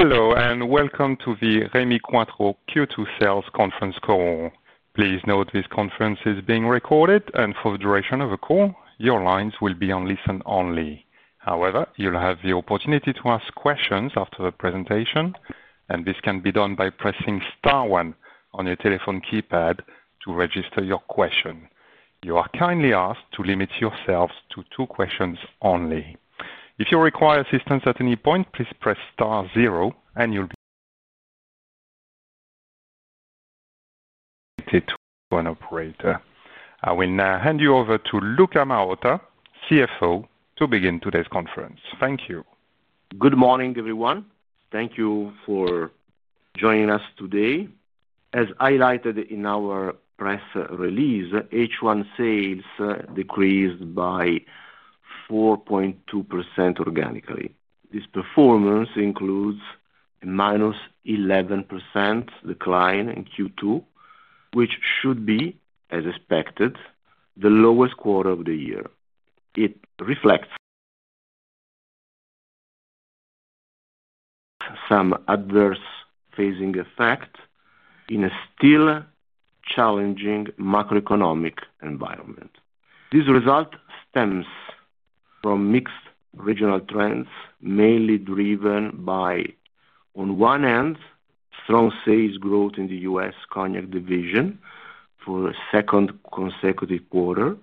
Hello and welcome to the Rémy Cointreau Q2 sales conference call. Please note this conference is being recorded, and for the duration of the call your lines will be on listen only. However, you'll have the opportunity to ask questions after the presentation, and this can be done by pressing star one on your telephone keypad to register your question. You are kindly asked to limit yourselves to two questions only. If you require assistance at any point, please press star zero and you'll be connected to an operator. I will now hand you over to Luca Marotta, CFO, to begin today's conference. Thank you. Good morning, everyone. Thank you for joining us today. As highlighted in our press release, H1 sales decreased by 4.2% organically. This performance includes an -11% decline in Q2, which should be, as expected, the lowest quarter of the year. It reflects some adverse phasing effect in a still challenging macroeconomic environment. This result stems from mixed regional trends, mainly driven by, on one hand, strong sales growth in the U.S. Cognac division for the second consecutive quarter,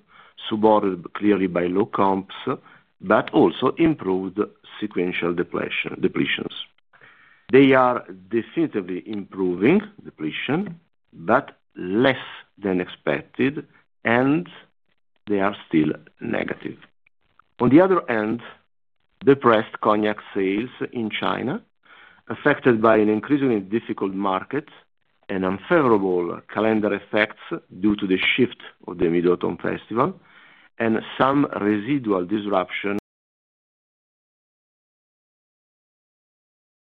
supported clearly by low comps but also improved sequential depletions. They are definitively improving depletion, but less than expected, and they are still negative. On the other hand, depressed Cognac sales in China were affected by an increasingly difficult market and unfavorable calendar effects due to the shift of the Mid-Autumn Festival and some residual disruption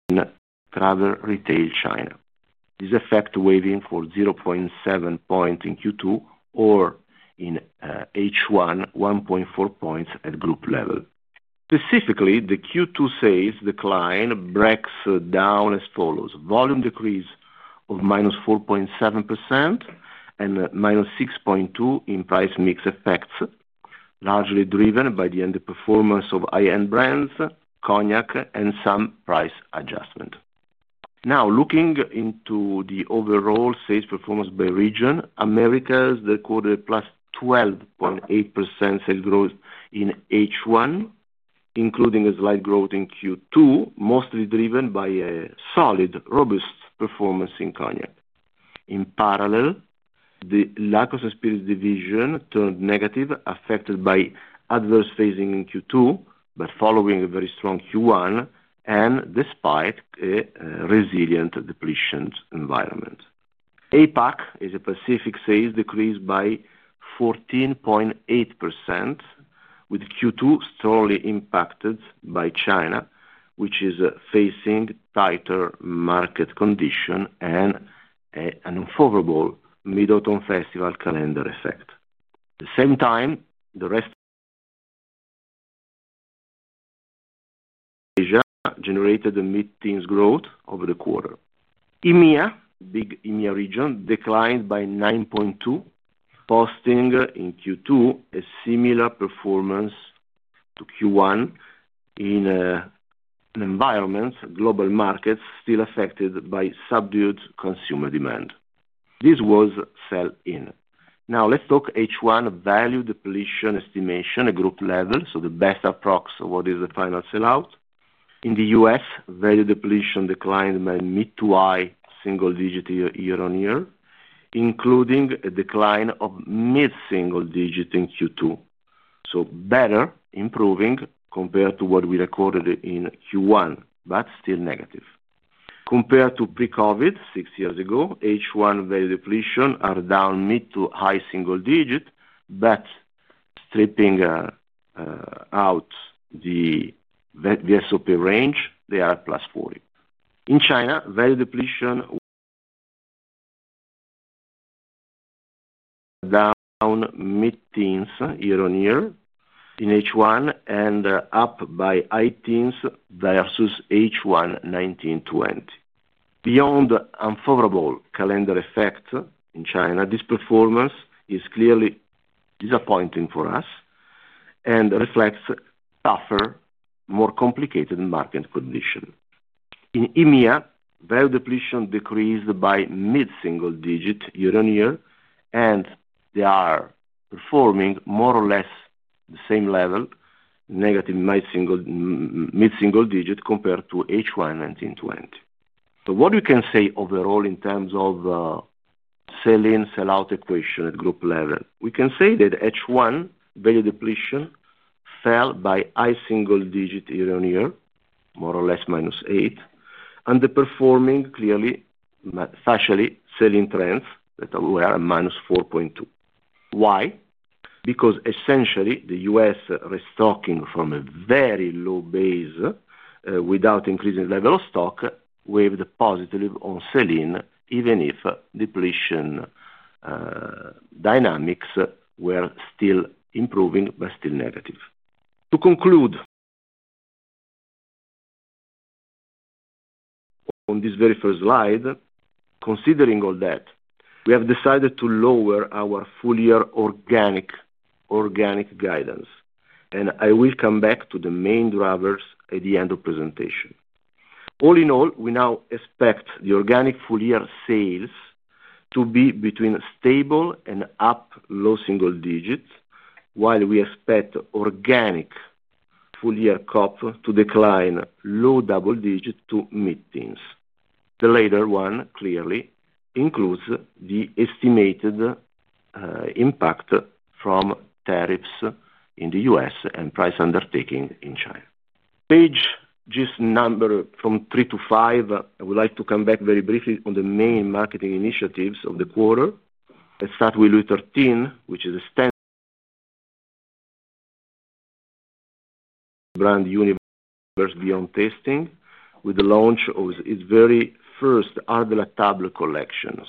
in travel retail China. This effect weighed for 0.7 points in Q2 or in H1 1.4 points at group level. Specifically, the Q2 sales decline breaks down as follows, volume decrease of -4.7% and -6.2% in price mix effects, largely driven by the underperformance of high end brands, Cognac, and some price adjustment. Now looking into the overall sales performance by region, Americas recorded +12.8% sales growth in H1, including a slight growth in Q2, mostly driven by a solid, robust performance in Cognac. In parallel, the lack of experience division turned negative, affected by adverse phasing in. Q2, but following a very strong Q1 and despite a resilient depletion environment, Asia-Pacific sales decreased by 14.8%, with Q2 strongly impacted by China, which is facing tighter market conditions and an unfavorable Mid-Autumn Festival calendar effect. At the same time, the rest of Asia generated a mid-teens growth over the quarter. EMEA region declined by 9.2% posting in Q2 a similar performance to Q1 in an environment global markets still affected by subdued consumer demand. This was sell-in. Now let's talk H1 value depletion estimation at group level. The best approximate, what is the final sellout in the U.S., value depletion declined by mid to high single digit year on year, including a decline of mid single digit in Q2, improving compared to what we recorded in Q1, but still negative compared to pre-Covid six years ago H1 value depletion are down mid to high single digit, but stripping out the VSOP range, they are +40%. In China value depletion down mid-teens year on year in H1 and up by 18% versus H1 2019-2020. Beyond unfavorable calendar effects in China this performance is clearly disappointing for us and reflects tougher, more complicated market conditions. In EMEA, value depletion decreased by mid-single digit year-on-year, and they are performing more or less the same level negative mid-single digit compared to H1 2019-2020. What we can say overall in terms of the sell-in, sell-out equation at group level, we can say that H1 value depletion fell by high single digit year on year, more or less -8 underperforming clearly spatially selling trends that were -4.2%. Why? Because essentially the U.S. restocking from a very low base without increasing level of stock waved positive on selling, even if depletion dynamics were still improving but still negative. To conclude on this very first slide, considering all that, we have decided to lower our full year organic guidance. I will come back to the main drivers at the end of the presentation. All in all, we now expect the organic full year sales to be between stable and up low single digits. While we expect organic full year COP to decline low double digit to mid-teens, the later one clearly includes the estimated impact from tariffs in the U.S. and price undertaking in China. Page just number from 3 to 5. I would like to come back very briefly on the main marketing initiatives of the quarter. Let's start with LOUIS XIII, which is a standard brand universe beyond tasting with the launch of its very first Art de la Table collections.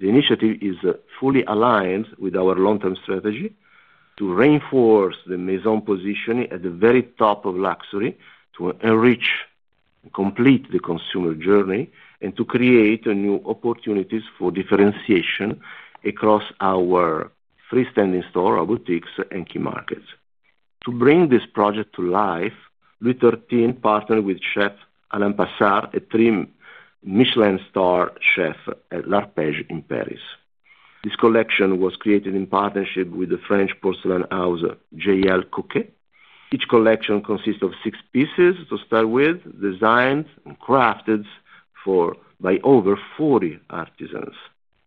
The initiative is fully aligned with our long term strategy to reinforce the Maison positioning at the very top of luxury, to enrich, complete the consumer journey and to create new opportunities for differentiation across our freestanding store, robotics, and key markets. To bring this project to life, LOUIS XIII partnered with Chef Alain Passard, a Three Michelin star Chef at L'Arpège in Paris. This collection was created in partnership with the French porcelain house J.L. Coquet. Each collection consists of six pieces to start with, designed and crafted by over 40 artisans.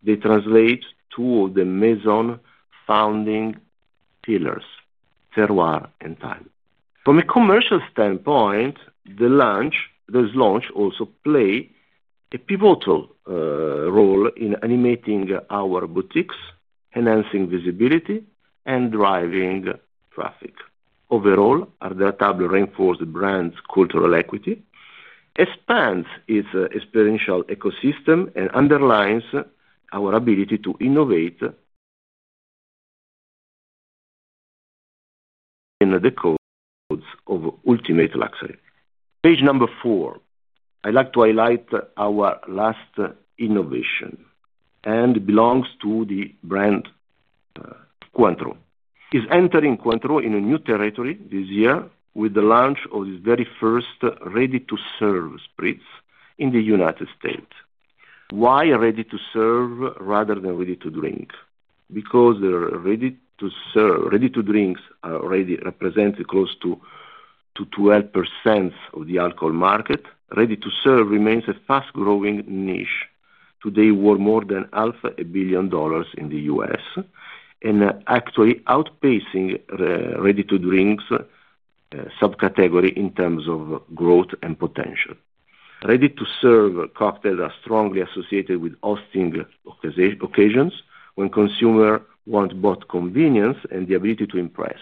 They translate two of the Maison founding pillars, terroir and tile. From a commercial standpoint, this launch also plays a pivotal role in animating our boutiques, enhancing visibility, and driving traffic. Overall Art de la Table reinforced the brand's cultural equity, expands its experiential ecosystem, and underlines our ability to innovate in the Codes of Ultimate Luxury. Page number four, I'd like to highlight our last innovation and it belongs to the brand Cointreau. It is entering Cointreau in a new territory this year with the launch of its very first Cointreau Ready-to-Serve Spritz in the U.S. Why Ready-to-Serve rather than Ready-to-Drink? Because Ready-to-Drinks represent close to 12% of the alcohol market. Ready-to-Serve remains a fast growing niche today, worth more than $0.5 billion in the U.S. and actually outpacing Ready-to-Drink subcategory in terms of growth and potential. Ready-to-Serve cocktails are strongly associated with hosting occasions when consumers want both convenience and the ability to impress.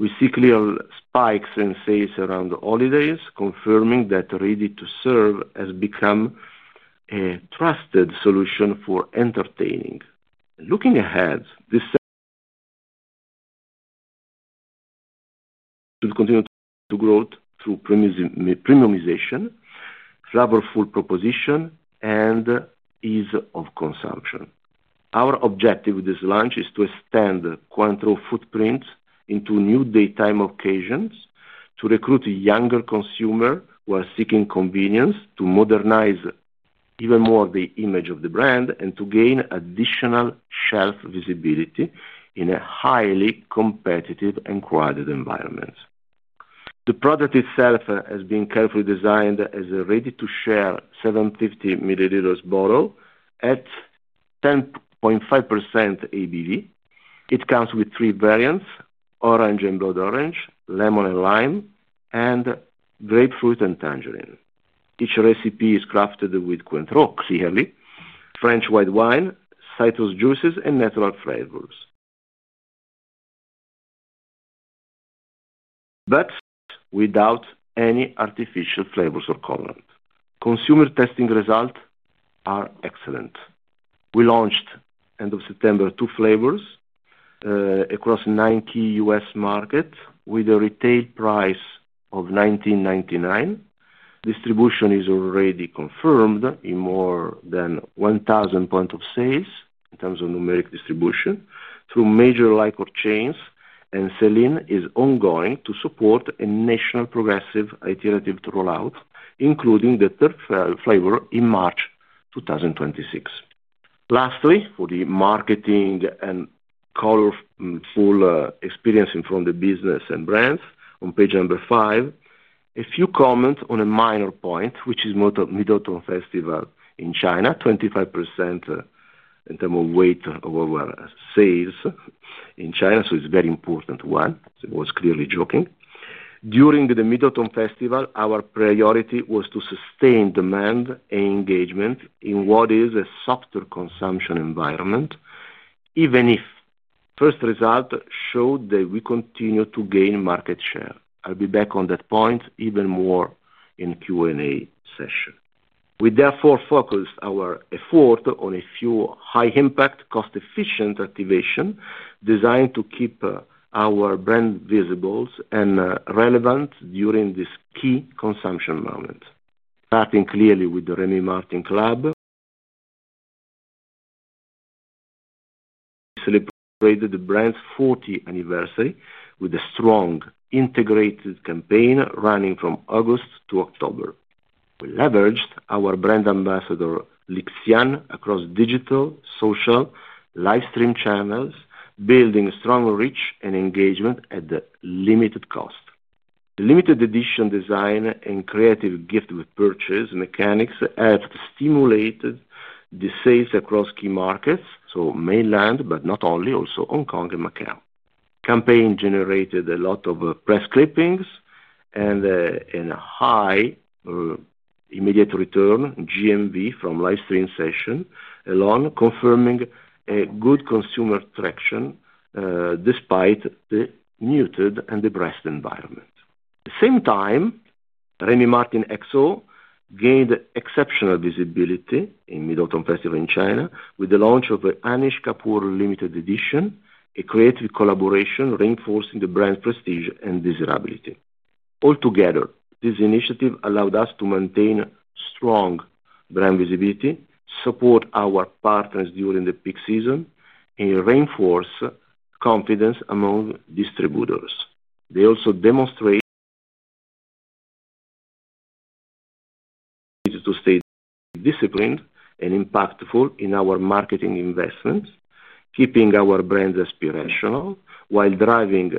We see clear spikes in sales around the holidays, confirming that Ready-to-Serve has become a trusted solution for entertaining, looking ahead to grow through premiumization, flavorful proposition, and ease of consumption. Our objective with this launch is to extend Cointreau footprint into new daytime occasions to recruit younger consumers who are seeking convenience, to modernize even more the image of the brand, and to gain additional shelf visibility in a highly competitive and crowded environment. The product itself has been carefully designed as a ready to share 750 mL bottle at 10.5% ABV, it comes with three variants: orange and blood orange, lemon and lime, and grapefruit and tangerine. Each recipe is crafted with Cointreau, French white wine, citrus juices, and natural flavors, but without any artificial flavors or colorant. Consumer testing results are excellent. We launched end of September two flavors across nine key U.S. markets with a eetail price of $19.99. Distribution is already confirmed in more than 1,000 points of sales in terms of numeric distribution through major liquor chains and Celine is ongoing to support a national progressive iterative rollout including the third flavor in March 2026. Lastly, for the marketing and colorful experience in front of the business and brands. On page number five, a few comments on a minor point, which is Mid-Autumn Festival in China, 25% in terms of weight of our sales in China, so it's a very important one. It was clearly joking during the Mid-Autumn Festival, our priority was to sustain demand engagement in what is a softer consumption environment, even if first result showed that we continue to gain market share. I'll be back on that point even more in the Q&A session. We therefore focus our effort on a few high-impact, cost-efficient activations designed to keep our brand visible and relevant during this key consumption moment. Starting clearly with the Rémy Martin Club. Celebrated the brand's 40th anniversary with a strong integrated campaign running from August to October. We leveraged our Brand Ambassador Li Xian across digital social live stream channels building strong reach and engagement at limited cost. Limited edition design and creative gift-with-purchase mechanics have stimulated the sales across key markets, including mainland but not only also, Hong Kong and Macau campaign generated a lot of press clippings and high immediate return GMV from live stream session alone confirming good consumer traction despite the muted and depressed environment. At the same time, Rémy Martin XO gained exceptional visibility in Mid-Autumn Festival in China with the launch of the Anish Kapoor Limited Edition, a creative collaboration reinforcing the brand prestige and desirability. Altogether, this initiative allowed us to maintain strong brand visibility and support our partners during the peak season and reinforce confidence among distributors. They also demonstrate to stay disciplined and impactful in our marketing investments, keeping our brands aspirational while driving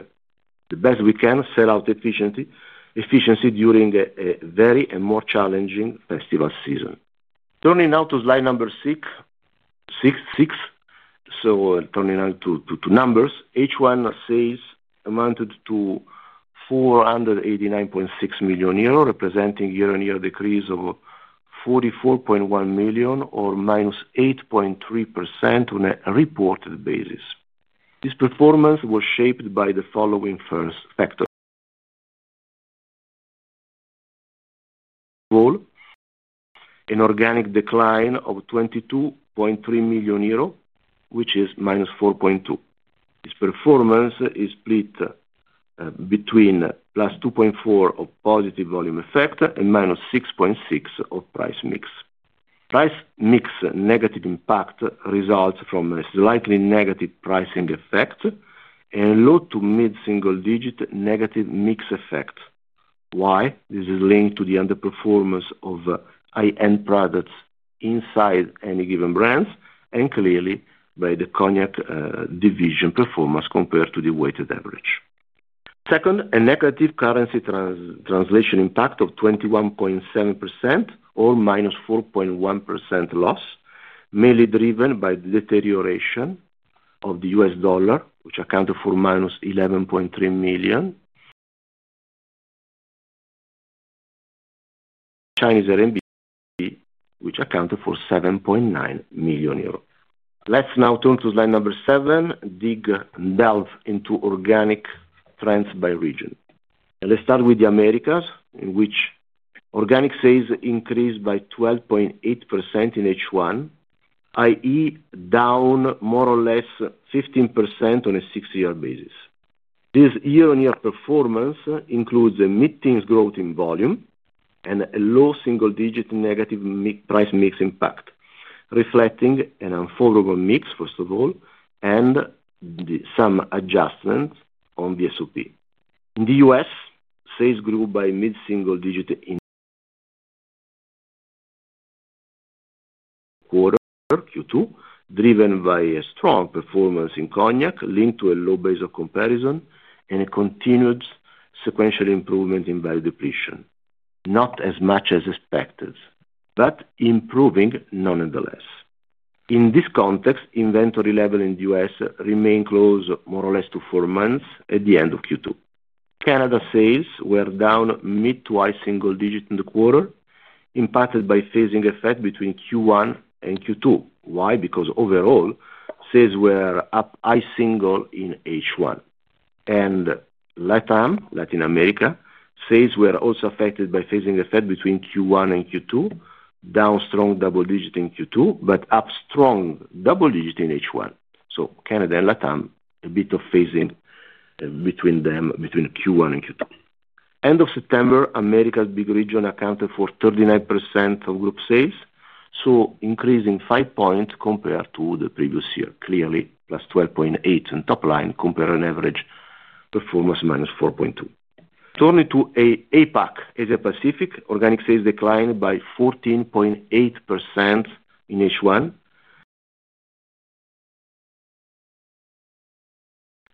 the best we can set out efficiency during a very and more challenging festival season. Turning now to slide number six. Turning to numbers, H1 sales amounted to 489.6 million euro, representing year on year decrease of 44.1 million or -8.3% on a reported basis. This performance was shaped by the following factors. First of all, an organic decline of 22.3 million euro, which is -4.2%. Its performance is split between +2.4 of positive volume effect and -6.6% of price mix. Price mix negative impact results from a slightly negative pricing effect and low to mid-single digit negative mix effect. Why? This is linked to the underperformance of high-end products inside any given brands and clearly by the Cognac division performance compared to the weighted average. Second, a negative currency translation impact of 21.7% or -4.1% loss, mainly driven by deterioration of the U.S. dollar, which accounted for -$11.3 million which accounted for 7.9 million euros. Let's now turn to slide number seven. [Delve] into organic trends by region. Let's start with the Americas, in which organic sales increased by 12.8% in H1. That is down more or less 15% on a six-year basis. This year-on-year performance includes a mid-teens growth in volume and a low single digit negative price mix impact, reflecting an unfavorable mix, first of all and some adjustments on the COP. In the U.S. sales grew by mid-single digit increase quarter Q2 driven by a strong performance in Cognac linked to a low base of comparison and a continued sequential improvement in value depletion, not as much as expected but improving nonetheless. In this context, inventory level in the U.S. remain close more or less to four months at the end of Q2. Canada sales were down mid to high single digit in the quarter, impacted by phasing effect between Q1 and Q2. Why? Because overall sales were up high single in H1, and LATAM, Latin America sales were also affected by phasing, a effect between Q1 and Q2, down strong double digit in Q2, up strong double digit in H1. Canada and LATAM a bit of phasing between them between Q1 and Q2. End of September, Americas big region accounted for 39% of group sales, increasing 5 points compared to the previous year clearly, +12.8% in top line compared on average performance, -4.2%. Turning to APAC, Asia-Pacific organic sales declined by 14.8% in H1,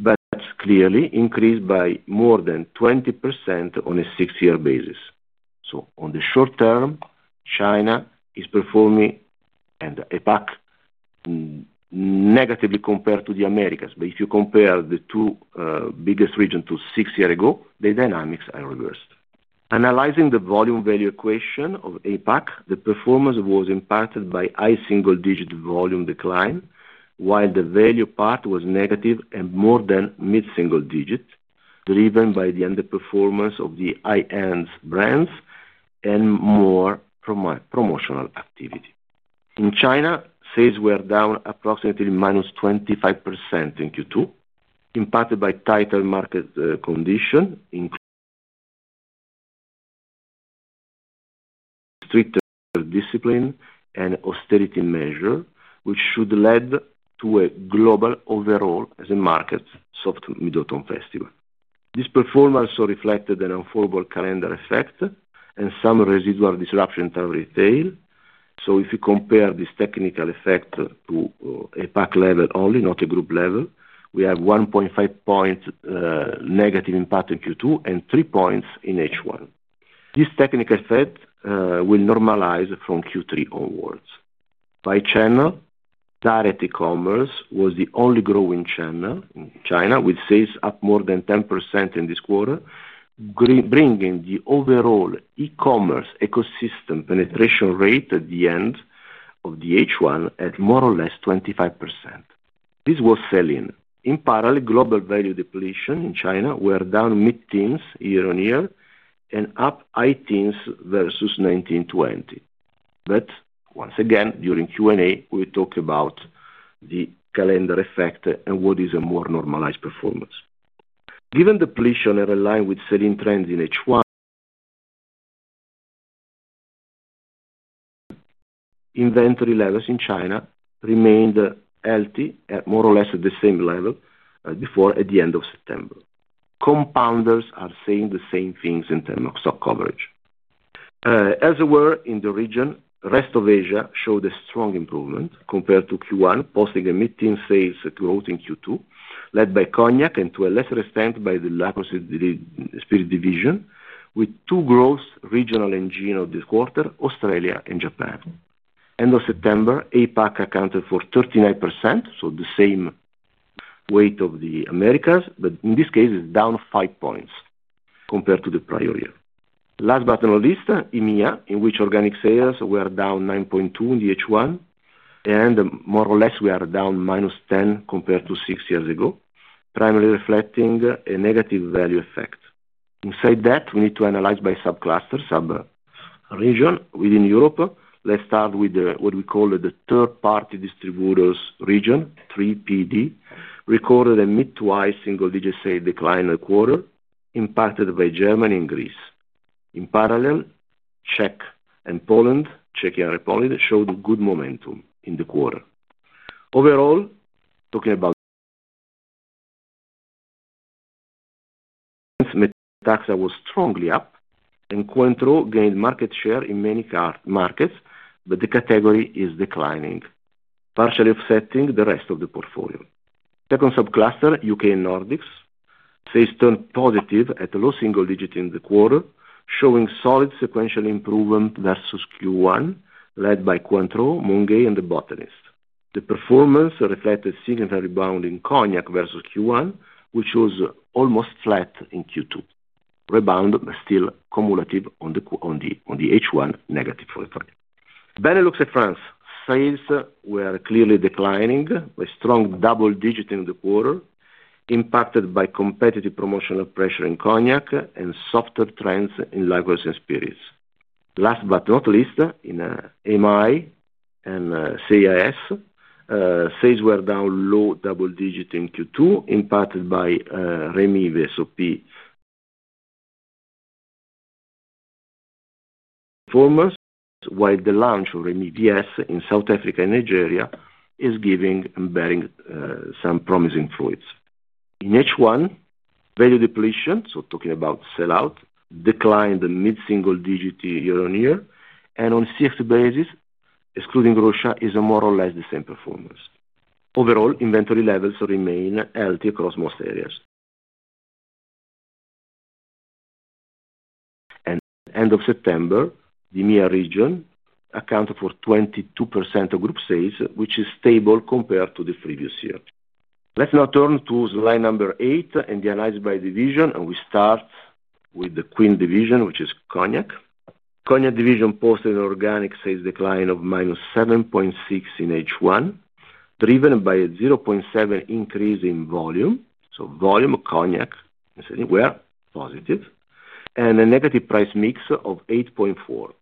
that's clearly increased by more than 20% on a six-year basis. On the short term, China is performing negatively compared to the Americas, but if you compare the two biggest regions to six years ago, the dynamics are reversed. Analyzing the volume value equation of APAC, the performance was impacted by high single digit volume decline, while the value part was negative and more than mid-single digit. Driven by the underperformance of the high end brands and more promotional activity. In China sales were down approximately -25% in Q2, impacted by tighter market conditions, discipline, and austerity measures, which should lead to a global overall as a market soft Mid-Autumn Festival, this performance reflected an unfavorable calendar effect and some residual disruption in travel retail. If you compare this technical effect to a pack level only, not a group level, we have 1.5 points negative impact in Q2 and 3 points in H1. This technical threat will normalize from Q3 onwards by channel, direct e-commerce was the only growing channel in China, with sales up more than 10% in this quarter bringing the overall e-commerce ecosystem penetration rate at the end of the H1 at more or less 25%. This was selling in parallel global value depletion in China was down mid-teens year on year and up 18% versus 2019-2020. Once again, during Q&A, we talk about the calendar effect and what is a more normalized performance. Given depletion and relying with sell-in trends in H1 inventory levels in China remained healthy at more or less the same level before at the end of September. Compounders are saying the same things in terms of stock coverage. As we were in the region, rest of Asia showed a strong improvement compared to Q1, posting a mid-teens sales growth in Q2 led by Cognac to a lesser extent, by the Liqueurs & Spirits division with two growth regional [and general], this quarter, Australia and Japan. End of September APAC accounted for 39%, the same weight of the Americas in this case it's down 5 points compared to the prior year. Last but not least, EMEA, in which organic sales were down 9.2% in the H1, and more or less we are down -10% compared to 6 years ago, primarily reflecting a negative value effect. Inside that we need to analyze by subcluster, subregion within Europe. Let's start with what we call the third party distributors region 3PD recorded a mid-twice single digit sales decline in the quarter impacted by Germany and Greece. In parallel Czech and Poland, Czech Republic showed good momentum in the quarter. Overall. Talking about METAXA, was strongly up and Cointreau gained market share in many markets, but the category is declining, partially offsetting the rest of the portfolio. Second subcluster U.K. Nordics sales turned positive at low single digits in the quarter, showing solid sequential improvement versus Q1, led by Cointreau, Mount Gay, and The Botanist. The performance reflected signal rebound in Cognac versus Q1, which was almost flat Q2 rebound still cumulative on the H1 negative for the [quarter]. Benelux & France, sales were clearly declining a strong double digit in the quarter, impacted by competitive promotional pressure in Cognac and softer trends in Liqueurs & Spirits. Last but not least, in AMEI & CIS sales were down low double digit in Q2, impacted by Rémy VSOP performance, while the launch of Rémy VS in South Africa and Nigeria is giving and bearing some promising fluids. In H1 value depletion. Talking about sellout declined mid-single digit year on year and on COP basis, excluding Russia, is more or less the same performance. Overall, inventory levels remain healthy across most areas and end of September the EMEA region accounted for 22% of group sales, which is stable compared to the previous year. Let's now turn to slide number 8 and the analysis by division. Start with the [queen division] which is Cognac. Cognac division posted an organic sales decline of -7.6% in H1 driven by a 0.7% increase in volume. Volume Cognac were positive and a negative price mix of 8.4%.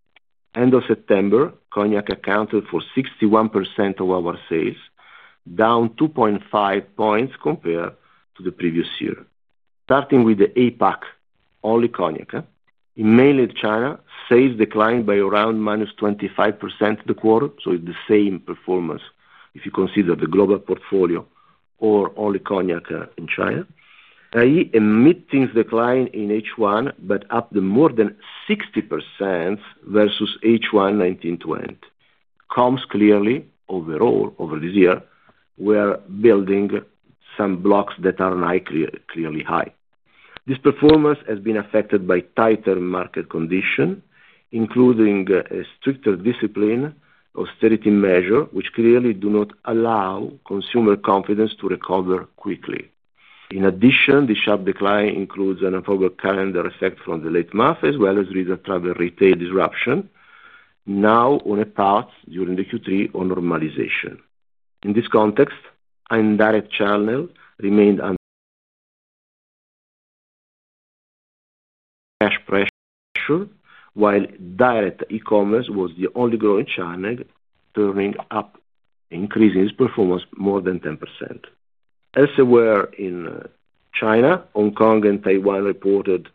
End of September, Cognac accounted for 61% of our sales, down 2.5% compared to the previous year. Starting with the APAC, only cognac. In Mainland China sales declined by around -25% the quarter. It's the same performance if you consider the global portfolio or all cognac in China that is emitting decline in H1 but up more than 60% versus H1 2019-2020 comes clearly overall over this year we are building some blocks that are not clearly high. This performance has been affected by tighter market condition including a stricter discipline, austerity measure, which clearly do not allow consumer confidence to recover quickly. In addition, the sharp decline includes an unfavorable calendar effects from the late month, as well as recent travel retail disruption. Now on a path during the Q3 on normalization. In this context, an indirect channel remained [unchanged]. While direct e-commerce was the only growing channel turning up, increasing its performance more than 10%. As were in China, Hong Kong and Taiwan reported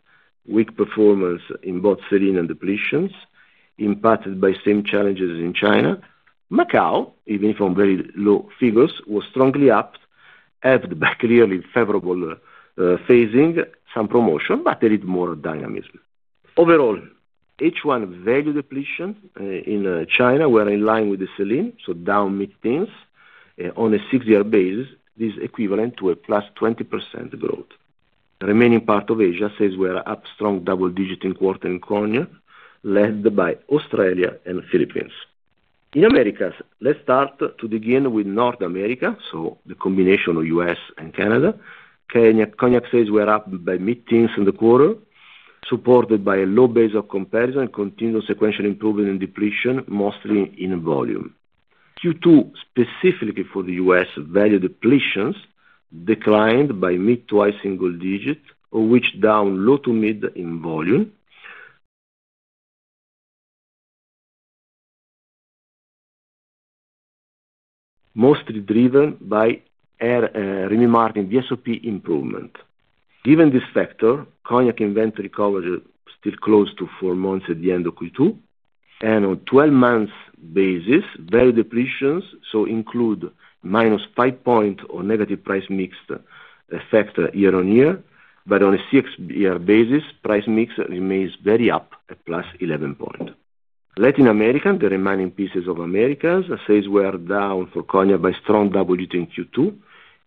weak performance in both sell-in and depletions, impacted by same challenges in China. Macau, even from very low figures, was strongly upped by clearly favorable phasing promotion, but a little more dynamism. Overall H1 value depletion in China was in line with the Celine, so down mid-teens on a six-year basis. This is equivalent to a +20% growth. The remaining part of Asia says we are up strong double digit in the quarter in Cognac led by Australia and Philippines. In Americas let's begin with North America. The combination of U.S. and Canada. Cognac sales were up by mid-teens in the quarter, supported by a low base of comparison and continual sequential improvement in depletion, mostly in volume. Q2 specifically for the U.S., value depletions declined by mid-twice single digits, of which down low to mid in volume, mostly driven by Rémy Martin VSOP improvement. Given this factor, Cognac inventory coverage still close to 4 months at the end of Q2 and on 12 months basis value depletions also include -5% or negative price mix effect year on year, but on a six year basis price mix remains very up at +11%. Latin America, the remaining pieces of Americas sales, were down for Cognac by strong double digit in Q2,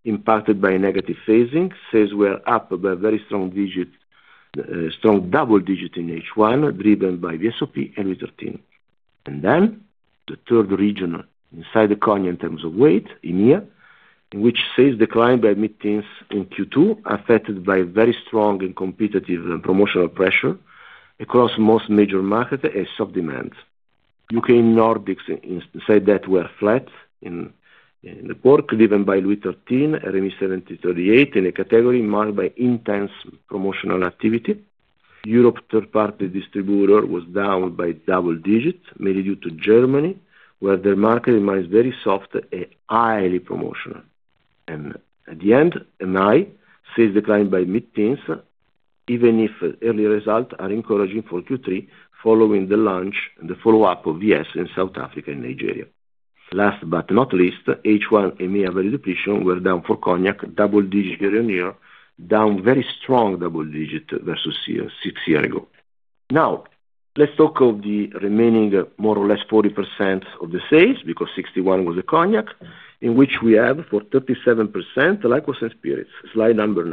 impacted by negative phasing. Sales were up by very strong digit strong double digit in H1 driven by VSOP and LOUIS XIII and then the third region inside the Cognac in terms of weight EMEA, in which sales decline by mid-teens in Q2, affected by very strong and competitive and promotional pressure across most major markets and soft demand. U.K. and Nordics said that were flat in the quarter given by LOUIS XIII, Rémy 1738, in a category marked by intense promotional activity. Europe third-party distributor was down by double digits, mainly due to Germany, where the market remains very soft and highly promotional and at the end NI sales decline by mid-teens, even if early results are encouraging for Q3 following the launch and the follow-up of yes in South Africa and Nigeria. Last but not least, H1 ME average depletion were down for Cognac double digit year on year down very strong double digit versus six years ago. Now let's talk of the remaining more or less 40% of the sales because 61% was a cognac in which we have for 37% Liqueurs & Spirits. Slide number.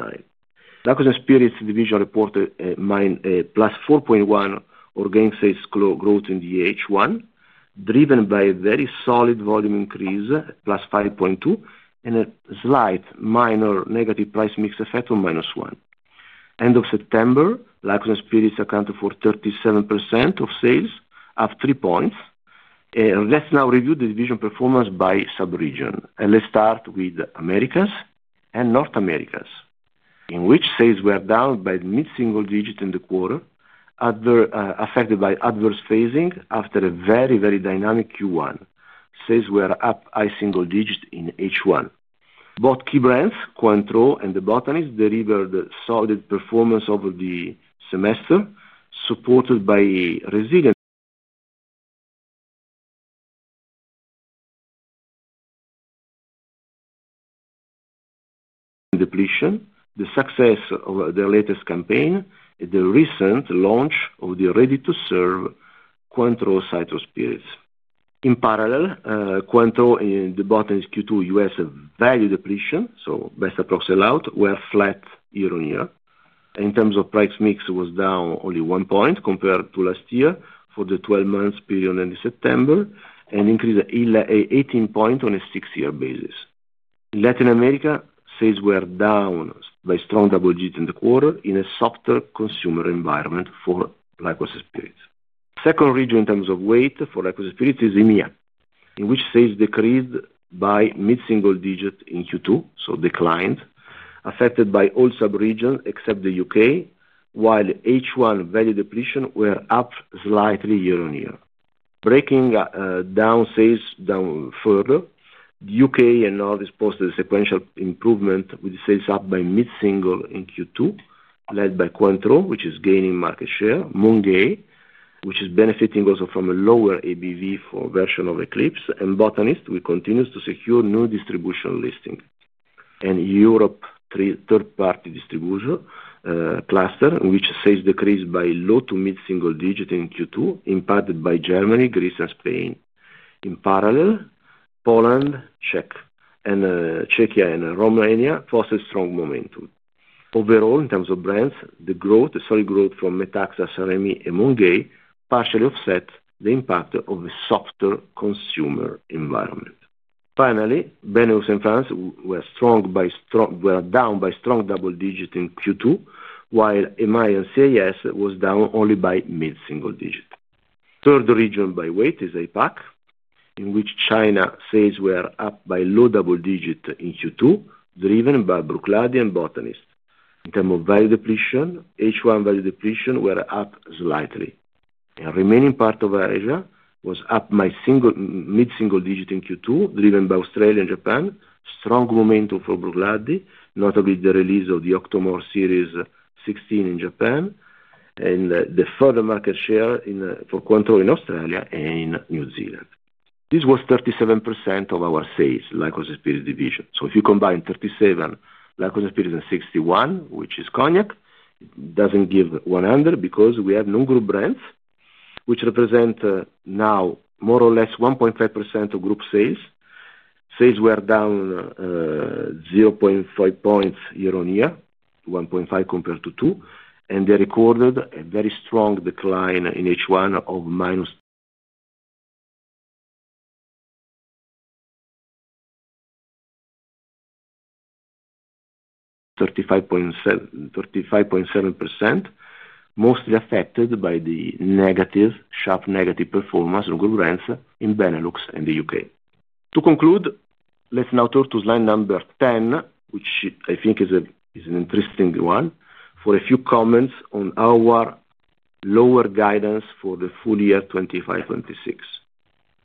Liqueurs & Spirits division reported a +4.1% organic sales growth in the first half, driven by a very solid volume increase +5.2% and a slight minor negative price mix effect of -1%. End of September, Liqueurs & Spirits accounted for 37% of sales, up 3 points. Let's now review the division performance sub-region, and let's start with Americas and North Americas, in which sales were down by mid-single digit in the quarter, affected by adverse phasing after a very, very dynamic Q1. Sales were up high single digits in H1. Both key brands Cointreau and The Botanist delivered solid performance over the semester, supported by a resilient depletion, the success of their latest campaign, the recent launch of the Cointreau Ready-to-Serve Citrus spirits. In parallel, Cointreau in the bottom Q2 U.S. value depletion, so best approximately were flat year on year in terms of price mix was down only 1 point compared to last year for the 12-month period in September, and an increase 18 point on a 6 year basis. Latin America sales were down by strong double digits in the quarter in a ofter consumer environment for Liqueurs & Spirits. Second region in terms of weight for Liqueurs & Spirits is EMEA in which sales decreased by mid-single digit in Q2. Declined, affected by all sub-region except the U.K. while H1 value depletion we're up slightly year on year, breaking down sales down further. U.K. and others posted a sequential improvement with sales up by mid-single in Q2 led by Cointreau, which is gaining market share. Mount Gay, which is benefiting also from a lower ABV for version of Eclipse and Botanist will continue to secure new distribution listing and Europe third-party distribution cluster which sales decrease by low to mid-single digit in Q2 impacted by Germany, Greece, and Spain. In parallel, Poland, Czechia, and Romania fostered strong momentum. Overall In terms of brands, the solid growth from METAXA, St-Rémi and Mount Gay partially offset the impact of a softer consumer environment. Finally, the Americas and France were down by strong double digits in Q2 while AMEI & CIS was down only by mid-single digit. The third region by weight is APAC, in which China sales were up by low double digit in Q2 driven by Bruichladdich and The Botanist. In terms of value depletion, H1 value depletions were up slightly. The remaining part of Eurasia was up mid-single digit in Q2, driven by Australia and Japan. Strong momentum for Bruichladdich, notably the release of the Octomore series 16 in Japan. The further market share for Cointreau in Australia and New Zealand. This was 37% of our sales, Liqueurs & Spirits division, so if you combine 37%, Liqueurs & Spirits 61%, which is Cognac, doesn't give 100 because we have non-group brands which represent now more or less 1.5% of group sales. Sales were down 0.5 points year on year, 1.5% compared to 2%, and they recorded a very strong decline in H1 of -35.7%, mostly affected by the negative sharp negative performance of good rents in Benelux and the U.K. To conclude, let's now turn to slide number 10, which I think is an interesting one for a few comments on our lower guidance for the full year 2025-2026.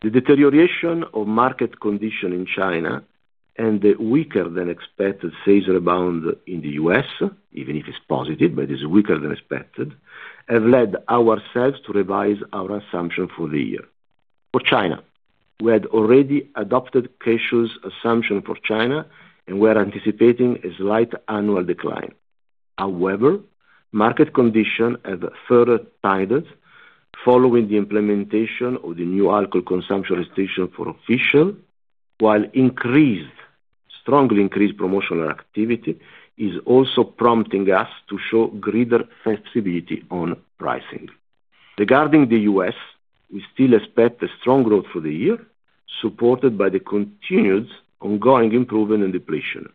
The deterioration of market conditions in China and the weaker than expected sales rebound in the U.S., even if it's positive, but it's weaker than expected, have led ourselves to revise our assumption for the year. For China we had already adopted [Bernstein]'s assumption for China, and we're anticipating a slight annual decline. However, market conditions have further tightened following the implementation of the new alcohol consumption restriction for official while increased strongly increased promotional activity is also prompting us to show greater flexibility on pricing. Regarding the U.S., we still expect a strong growth for the year, supported by the continued ongoing improvement in depletion,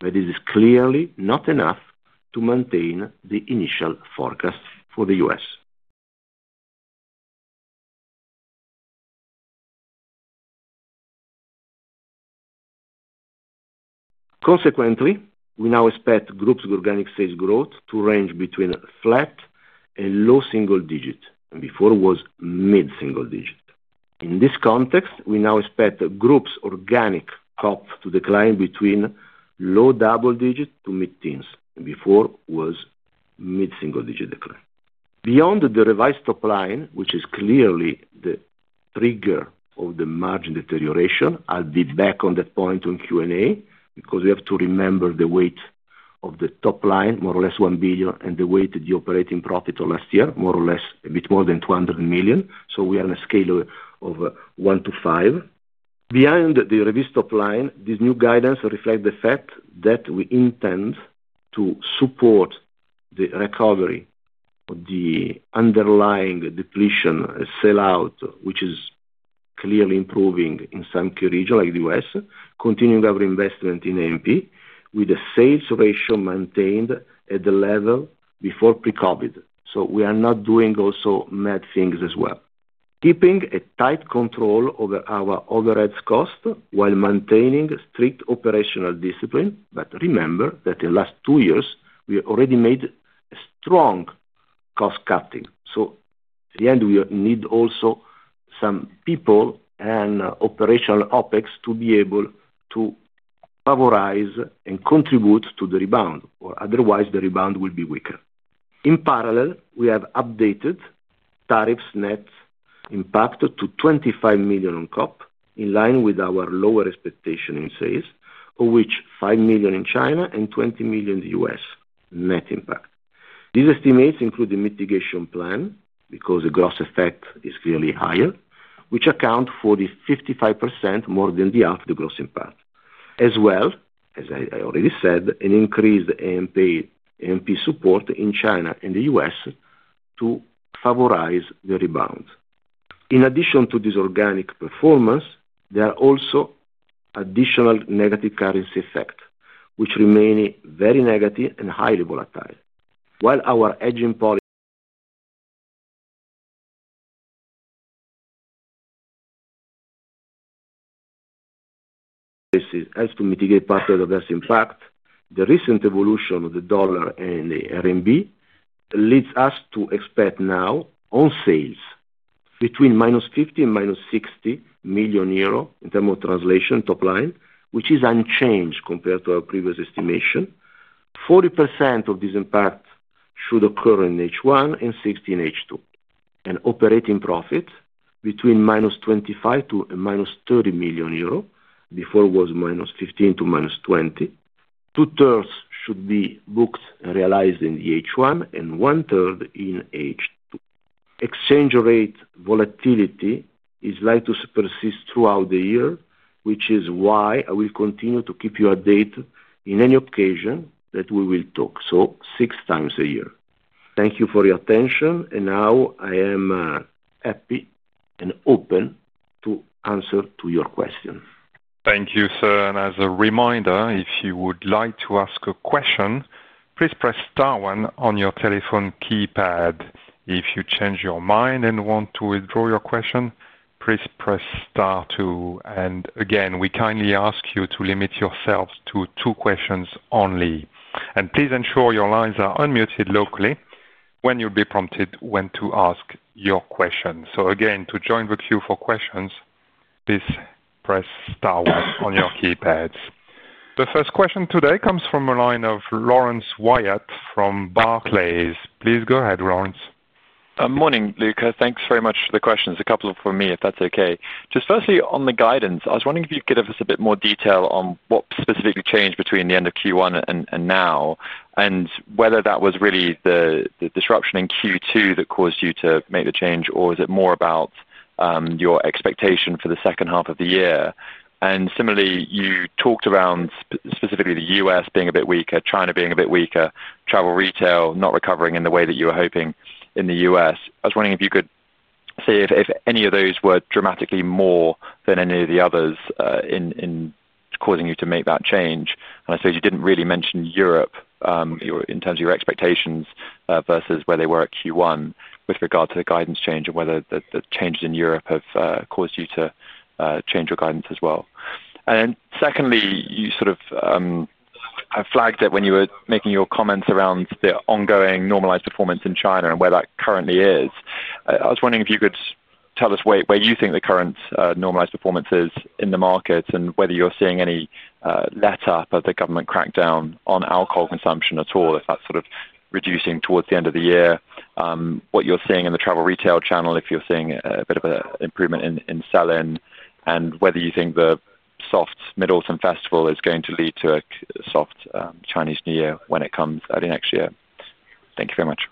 but this is clearly not enough to maintain the initial forecast for the U.S. Consequently, we now expect group's organic sales growth to range between flat and low single digit, and before was mid-single digit. In this context, we now expect the group's organic comp to decline between low double digit to mid-teens, and before was mid-single digit decline. Beyond the revised top line, which is clearly the trigger of the margin deterioration I'll be back on that point in Q and A, because we have to remember the weight of the top line, more or less 1 billion and the weighted operating profit of last year more or less a bit more than 200 million. We are on a scale of 1 to 5. Beyond the revisit top line this new guidance reflects the fact that we intend to support the recovery of the underlying depletion sellout, which is clearly improving in some key regions like the U.S. Continuing our investment in AMP with the sales ratio maintained at the level before pre-COVID. We are not doing also mad things as well, keeping a tight control over our overheads cost while maintaining strict operational discipline. Remember that in the last two years we already made a strong cost cutting, so in the end we need also some people and operational OpEx to be able to favorite and contribute to the rebound or otherwise the rebound will be weaker. In parallel, we have updated tariffs net impact to 25 million on COP in line with our lower expectation in sales of which 5 million in China and 20 million in the U.S. net impact. These estimates include the mitigation plan. The gross effect is clearly higher which account for the 55% more than the half the gross impact as well as, as I already said, an increased AMP support in China and the U.S. to favorize the rebound. In addition to this organic performance, there are also additional negative currency effects, which remain very negative and highly volatile. While our hedging policy helps to mitigate part of the adverse impact, the recent evolution of the dollar and the RMB leads us to expect now on sales between -50 million and -60 million euro. In terms of translation, top line, which is unchanged compared to our previous estimation, 40% of this impact should occur in H1 and 60% in H2, and operating profit between -25 million to -30 million euro, before it was -15 million to -20 million. Two thirds should be booked, realized in the H1 and 1/3 in H2. Exchange rate volatility is likely to persist throughout the year, which is why I will continue to keep you updated in any occasion that we will talk, so six times a year. Thank you for your attention now I am happy and open to answer your question. Thank you, sir. As a reminder, if you would like to ask a question, please press star one on your telephone keypad. If you change your mind and want to withdraw your question, please press star two. We kindly ask you to limit yourselves to two questions and please ensure your lines are unmuted locally when you'll be prompted when to ask your questions. To join the queue for questions, please press star one on your keypads. The first question today comes from the line of Laurence Whyatt from Barclays. Please go ahead, Laurence. Morning, Luca, thanks very much for the questions. A couple from me if that's ok. Just firstly on the guidance, I was wondering if you could give us a bit more detail on what specifically changed between the end of Q1 and now, and whether that was really the disruption in Q2 that caused you to make the change, or if it's more about your expectation for the second half of the year. Similarly, you talked around specifically the U.S. being a bit weaker, China being a bit weaker, travel retail not recovering in the way that you were hoping in the U.S. I was wondering if you could say if any of those were dramatically more than any of the others in causing you to make that change. You didn't really mention Europe in terms of your expectations versus where they were at Q1 with regard to the guidance change, and whether the changes in Europe have caused you to change your guidance as well. Secondly, you sort of flagged it when you were making your comments around the ongoing normalized performance in China and where that currently is. I was wondering if you could tell us where you think the current normalized performance is in the markets and whether you're seeing any let up of the government crackdown on alcohol consumption at all, if that's sort of reducing towards the end of the year, what you're seeing in the travel retail channel, if you're seeing a bit of an improvement in sell-in, and whether you think the soft Mid-Autumn Festival is going to lead to a soft Chinese New Year when it comes early next year. Thank you very much.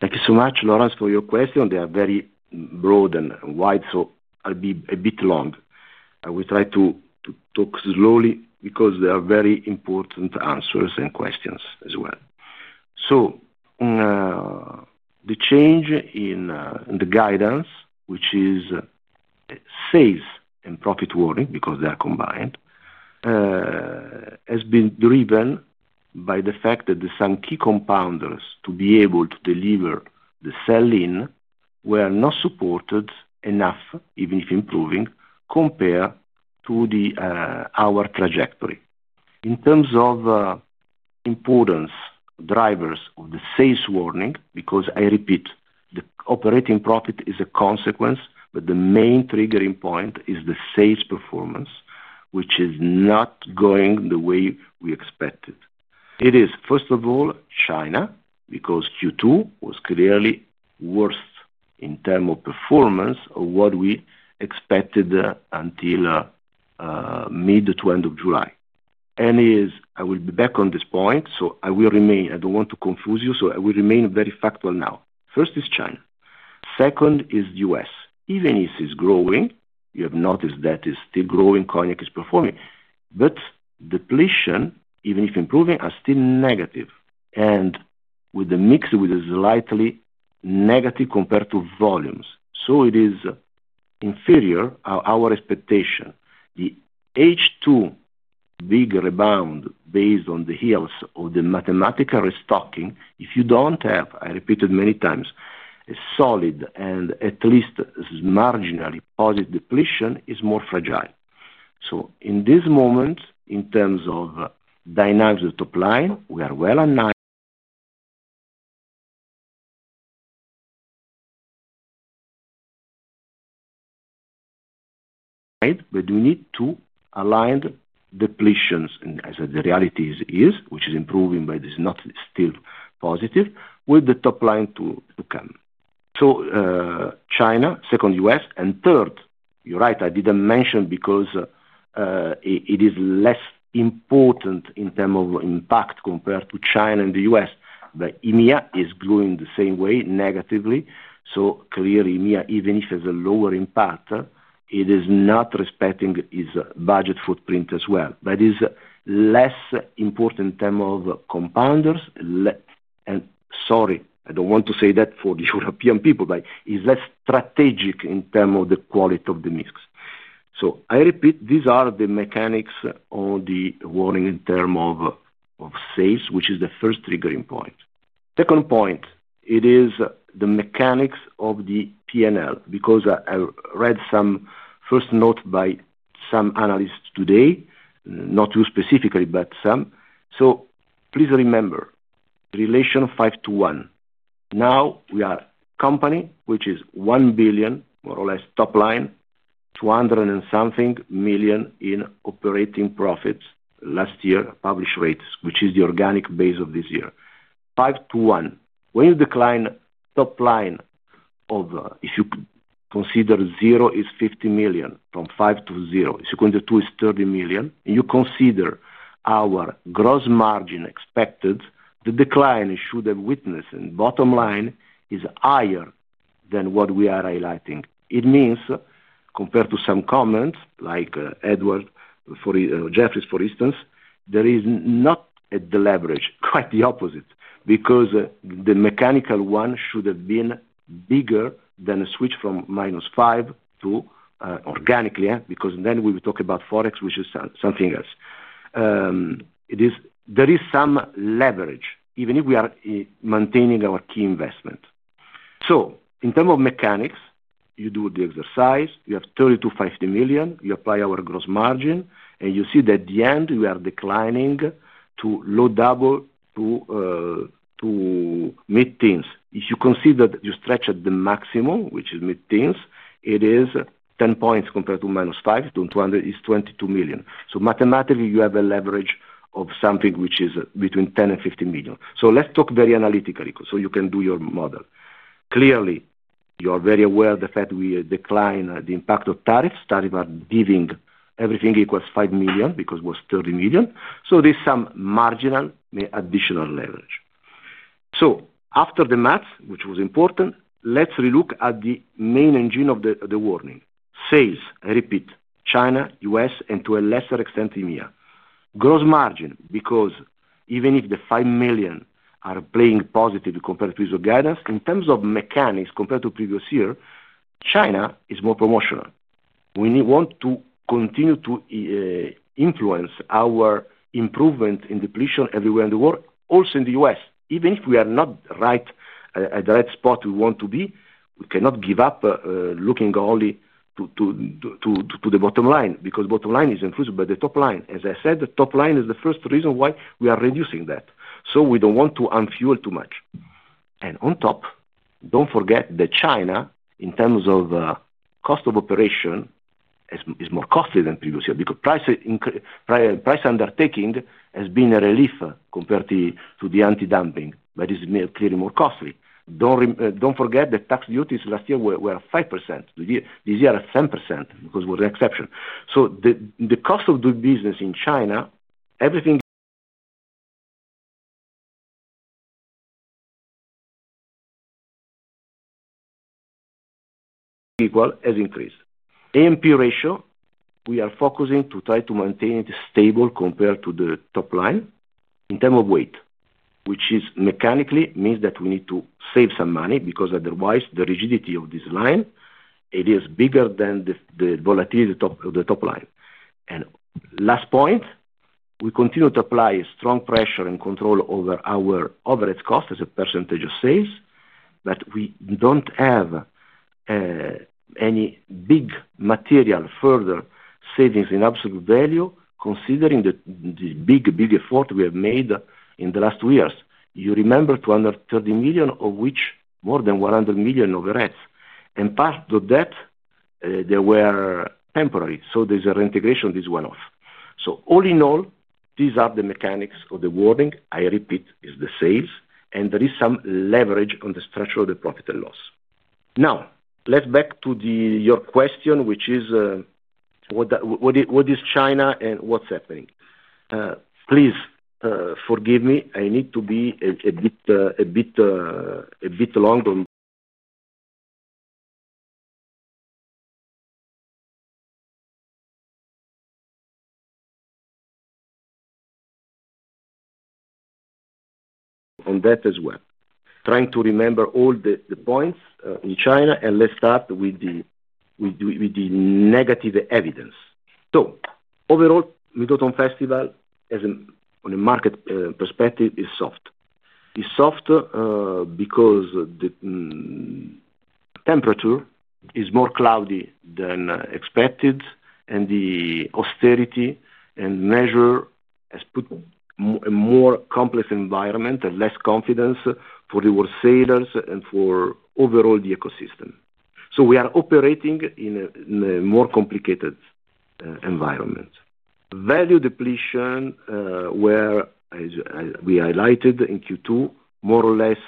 Thank you so much Laurence for your question. They are very broad and wide, so I'll be a bit long. I will try to talk slowly because they are very important answers and questions as well. The change in the guidance, which is sales and profit warning because they are combined, has been driven by the fact that some key compounders to be able to deliver the sell-in were not supported enough, even if improving compared to our trajectory in terms of important drivers of the sales warning, because I repeat the operating profit is a consequence, but the main triggering point is the sales performance, which is not going the way we expected. It is, first of all, China, because Q2 was clearly worse in terms of performance of what we expected until mid to end of July. I will be back on this point. I don't want to confuse you, so I will remain very factual now, first is China, second is U.S. Even if it's growing, you have noticed that it's still growing. Cognac is performing, but depletion, even if improving, is still negative, with the mix with a slightly negative compared to volumes. It is inferior to our expectation, the H2 big rebound based on the yields of the mathematical restocking, if you don't have, I repeated many times, a solid and at least marginally positive depletion is more fragile. In this moment, in terms of dynamics of the top line, we are well aligned. We need to align depletions as the reality is, which is improving but is not still positive with the top line to come. China, second, U.S. and third. You're right, I didn't mention because it is less important in terms of impact compared to China and the U.S. EMEA is growing the same way negatively. Clearly, EMEA, even if it's a lower impact, is not respecting its budget footprint as well. It's less important in terms of compounders. Sorry, I don't want to say that for the European people, but it's less strategic in terms of the quality of the mix. I repeat, these are the mechanics on the warning in terms of sales, which is the first triggerig point. The second point is the mechanics of the P&L, because I read some first note by some analysts today, not you specifically, but some. Please remember relation 5 to 1. Now we are a company which is 1 billion more or less top line, 200 million something million in operating profits last year published rates, which is the organic base of this year, 5 to 1 when you decline top line of if you consider 0 is 50 million from 5 to 0 sequence 2 is 30 million you consider our gross margin expected the decline should have witnessed in bottom line is higher than what we are highlighting. It means compared to some comments like Edward, Jefferies, for instance, there is not the leverage, quite the opposite, because the mechanical one should have been bigger than a switch from -5% to organically. Because then we would talk about forex which is something else. There is some leverage even if we are maintaining our key investment. In terms of mechanics, you do the exercise, you have 30 million-50 million. You apply our gross margin, and you see that at the end we are declining to low double digits mid-teens. if you consider that, you stretch at the maximum, which is mid-teens, it is 10 points compared to -5 to 200 is 22 million. Mathematically, you have a leverage of something which is between 10 million and 15 million. Let's talk very analytically, so you can do your model. Clearly, you are very aware of the fact we decline the impact of tariffs. Tariffs are giving everything equals 5 million because it was 30 million. There's some marginal additional leverage. After the math, which was important, let's relook at the main engine of the warning. Sales, repeat China, U.S. and to a lesser extent, EMEA gross margin because, even if the 5 million are playing positive compared to guidance in terms of mechanics compared to previous year, China is more promotional. We want to continue to influence our improvement in depletion everywhere in the world also in the U.S., even if we are not right at the right spot we want to be. We cannot give up looking only to the bottom line because bottom line is influenced by the top line. As I said, the top line is the first reason why we are reducing that. We don't want to unfuel too much. On top, don't forget that China in terms of cost of operation is more costly than previous year because price undertaking has been a relief compared to the anti-dumping, but it's clearly more costly. Don't forget that tax duties last year were 5%, this year at 10% because we're the exception. The cost of the business in China, everything equal, has increased. AMP ratio. We are focusing to try to maintain it stable compared to the top line in terms of weight, which is mechanical means that we need to save some money, because otherwise the rigidity of this line is bigger than the volatility of the top line. Last point, we continue to apply strong pressure and control over our overhead cost as a percentage of sales, we don't have any big material further savings in absolute value, considering the big, big effort we have made in the last two years. You remember 230 million, of which more than 100 million of reds in part of that, they were temporary. There's a reintegration. This went off. All in all, these are the mechanics of the warning, I repeat, it is the sales, and there is some leverage on the structure of the profit and loss. Now let's get back to your question, which is, what is China and what's happening? Please forgive me, I need to be a bit longer. On that as well. Trying to remember all the points in China and let's start with the negative evidence. Overall, Mid-Autumn Festival on a market perspective is soft. It's soft because the temperature is more cloudy than expected. The austerity and measure has put a more complex environment and less confidence for the world sailors and for overall the ecosystem. We are operating in a more complicated environment. Value depletion, where as we highlighted in Q2, more or less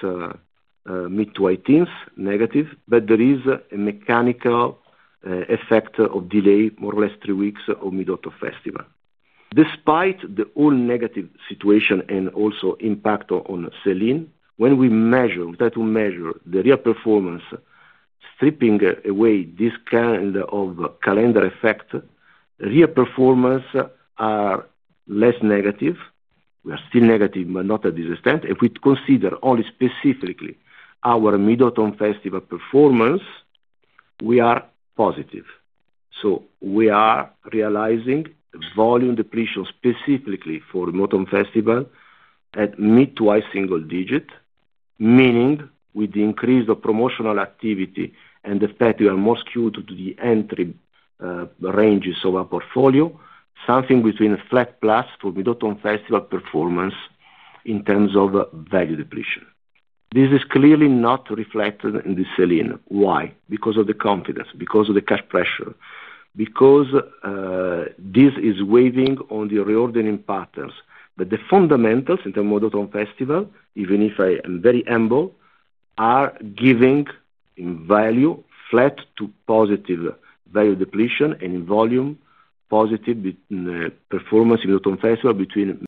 mid to 18% negative, but there is a mechanical effect of delay, more or less three weeks of Mid-Autumn Festival despite the all negative situation and also impact on Celine when we try to measure the real performance stripping away this kind of calendar effect, real performance is less negative. We are still negative, but not to this extent. If we consider only specifically our Mid-Autumn Festival performance, we are positive. We are realizing volume depletion specifically for mid to high single digit. Meaning with the increase of promotional activity and the fact we are more skewed to the entry ranges of our portfolio, something between a flat plus for Mid-Autunm Festival performance in terms of value depletion. This is clearly not reflected in the Celine. Why? Because of the confidence, because of the cash pressure. Because this is weighing on the reordering patterns. The fundamentals in the Mid-Autumn Festival, even if I am very humble, are giving in value flat to positive value depletion and in volume positive performance in Mid-Autumn Festival between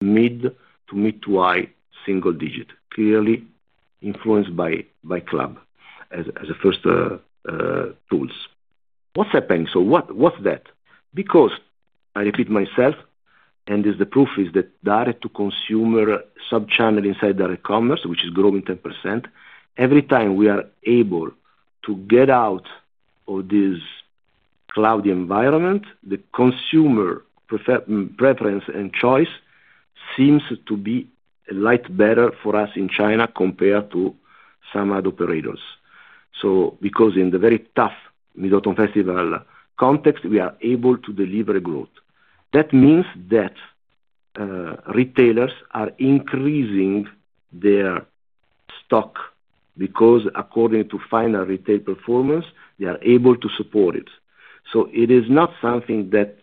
mid to mid to high single digit, clearly influenced by Club as a first tool. What's happening? What's that? I repeat myself and is the proof is that direct-to-consumer sub-channel inside direct commerce, which is growing 10%, every time we are able to get out of this cloudy environment the consumer preference and choice seems to be a bit better for us in China compared to some other operators, because in the very tough Mid-Autumn Festival context, we are able to deliver growth. That means that retailers are increasing their stock because according to final retail performance they are able to support it. It is not something that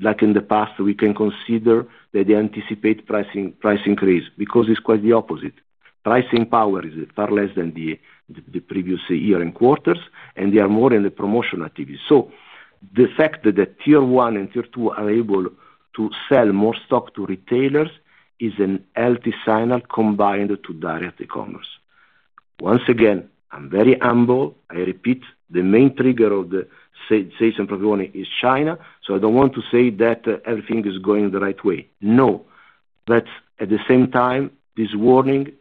like in the past we can consider that they anticipate price increase because it's quite the opposite. Pricing power is far less than the previous year and quarters. More in the promotional TV, the fact that Tier 1 and Tier 2 are able to sell more stock to retailers is a healthy signal combined to direct e-commerce. Once again, I'm very humble. I repeat the main trigger of the sales and probably is China. I don't want to say that everything is going the right way. No, at the same time this warning is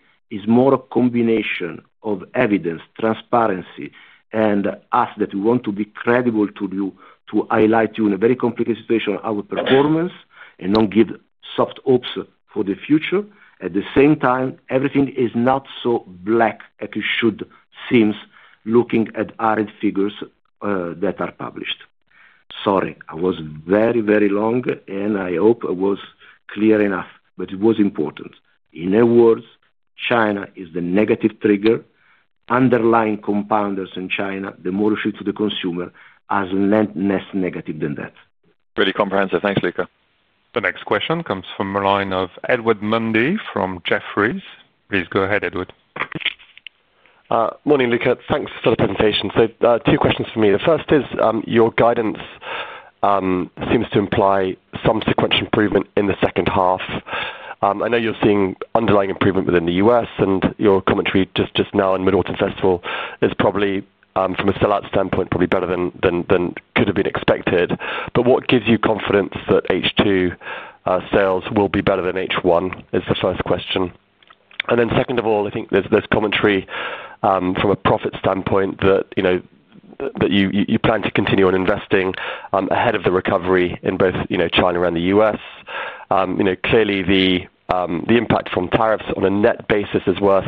more a combination of evidence, transparency. We want to be credible to you, to highlight you in a very complicated situation, our performance, and don't give soft hopes for the future. At the same time, everything is not so black as it should seem, looking those aren't figures that are published. Sorry, I was very, very long and I hope I was clear enough, but it was important. In other words, China is the negative.rigger underlying compounders in China. The more issue to the consumer has less negative than that. Very comprehensive. Thanks, Luca. The next question comes from the line of Edward Mundy from Jefferies. Please go ahead, Edward. Morning Luca. Thanks for the presentation. Two questions for me. The first is your guidance seems to imply some sequential improvement in the second half. I know you're seeing underlying improvement within the U.S. and your commentary just now in Mid-Autumn Festival is probably from a sell-out standpoint, probably better than could have been expected. What gives you confidence that H2 sales will be better than H1 is the first question. Second of all, I think there's commentary from a profit standpoint that you plan to continue on investing ahead of the recovery in both China and the U.S. Clearly the impact from tariffs on a net basis is worth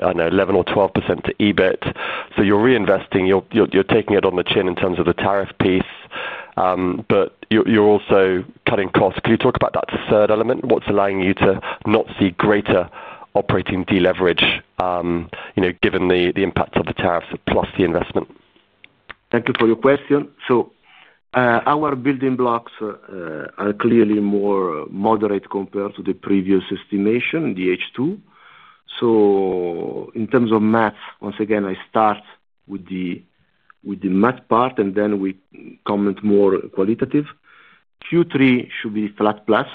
11% or 12% to EBIT. You're reinvesting, you're taking it on the chin in terms of the tariff piece, but you're also cutting costs. Can you talk about that third element? What's allowing you to not see greater operating deleverage given the impact of the tariffs plus the investment. Thank you for your question. Our building blocks are clearly more moderate compared to the previous estimation in H2. In terms of math, once again. I start with the math part and then we comment more qualitative. Q3 should be flat plus,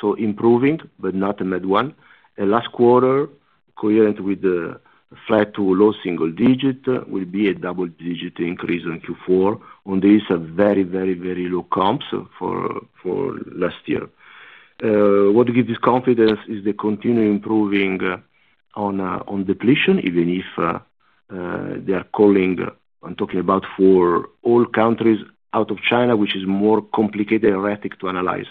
so improving but not a mid one. The last quarter, coherent with the flat to low single digit, will be a double digit increase in Q4 on these very, very, very low comps for last year. What gives us confidence is the continuing improving on depletion even if they are calling. I'm talking about for all countries out of China, which is more complicated erratic to analyze,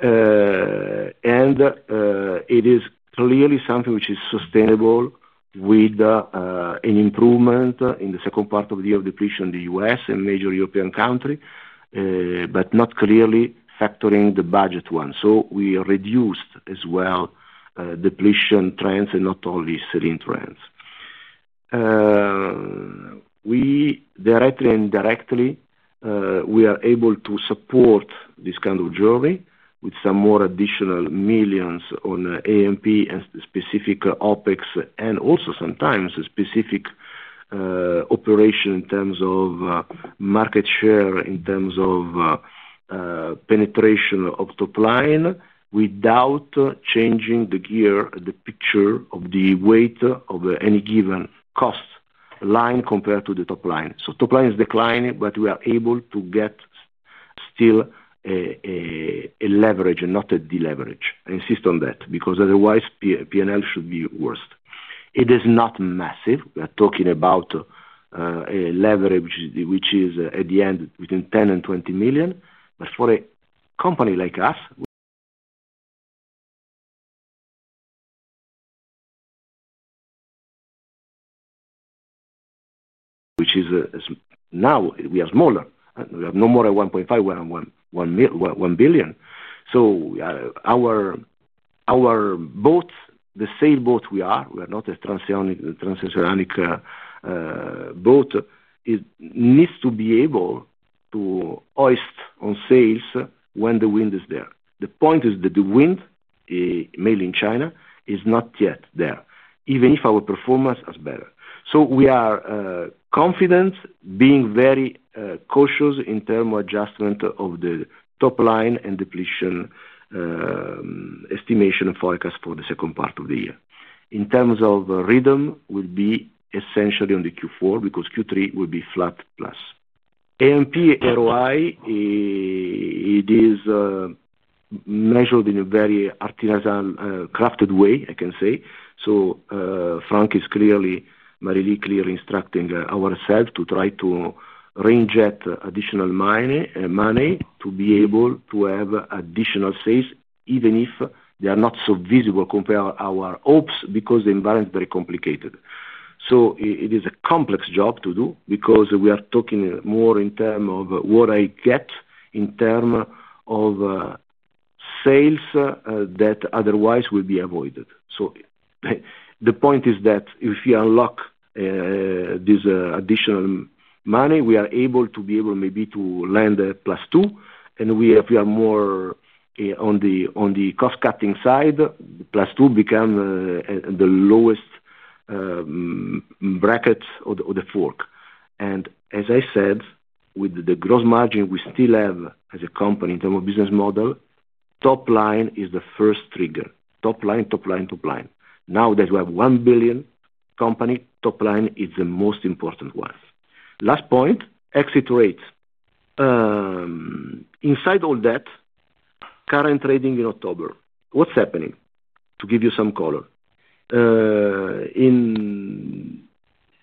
and it is clearly something which is sustainable with an improvement in the second part of the year of depletion in the U.S. and major European country, but not clearly factoring the budget 1. We reduced as well depletion trends not only saline trends. We directly and indirectly are able to support this kind of journey with some more additional millions on A&P and specific OpEx, and also sometimes specific operation in terms of market share, in terms of penetration of top line, without changing the gear, the picture of the weight of any given cost line compared to the top line. Top line is declining, but we are able to get still a leverage not a deleverage. I insist on that because otherwise P&L should be worse. It is not massive. We are talking about a leverage which is at the end between 10 million and 20 million. For a company like us, which is, now we are smaller, we have no more than 1.51 billion. Our boat, the sailboat we are we are not a transoceanic boat needs to be able to hoist on sails when the wind is there. The point is that the wind mainly in China, it is not yet there, even if our performance is better. We are confidence being very cautious in terms of adjustment of the top line and depletion estimation forecast for the second part of the year. In terms of rhythm will be essentially on the Q4 because Q3 will be flat plus. In ROI it is measured in a very artisan crafted way. I can say Franck is clearly very clear instructing ourselves to try to reinject additional money to be able to have additional sales, even if they are not so visible compared to our hopes because the environment is very complicated. It is a complex job to do because we are talking more in terms of what I get in term of sales that otherwise will be avoided. The point is that if you unlock this additional money, we are able to maybe lend plus two, and we are more on the cost cutting side. Plus two become the lowest brackets of the fork. As I said with the gross margin we still have as a company in terms of business model, top line is the first trigger. Top line. Top line. Top line. Now that we have 1 billion company, top line is the most important one. Last point, exit rates inside all that, current trading in October. What's happening to give you some color in October in